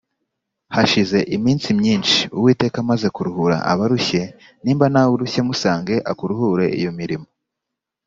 Hashize iminsi myinshi Uwiteka amaze kuruhura abarushye nimba nawe urushye musange akuruhure iyo miriho